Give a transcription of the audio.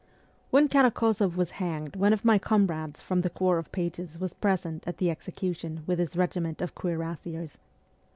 When Karakozoff was hanged one of my comrades from the corps of pages was present at the execution with his regiment of cuirassiers.